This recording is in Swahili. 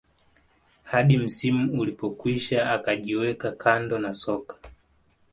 hadi msimu ulipokwisha akajiweka kando na soka